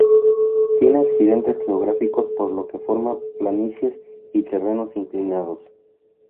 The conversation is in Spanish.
Tiene accidentes geográficos por lo que forma planicies y terrenos inclinados.